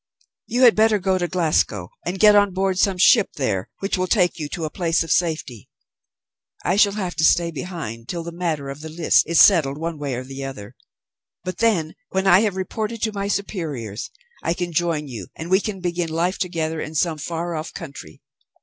"You had better go to Glasgow and get on board some ship there which will take you to a place of safety. I shall have to stay behind till the matter of the list is settled one way or the other. But then, when I have reported to my superiors, I can join you, and we can begin life together in some far off country.